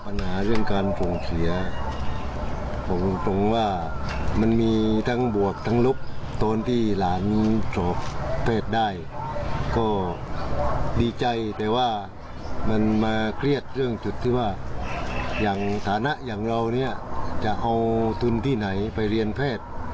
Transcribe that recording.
ปัญหาเรื่องการส่งเสียบอกตรงว่ามันมีทั้งบวกทั้งลบตอนที่หลานสอบแพทย์ได้ก็ดีใจแต่ว่ามันมาเครียดเรื่องจุดที่ว่าอย่างฐานะอย่างเราเนี่ยจะเอาทุนที่ไหนไปเรียนแพทย์